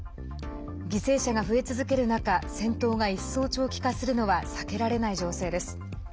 犠牲者が増え続ける中戦闘が一層、長期化するのは避けられない情勢です。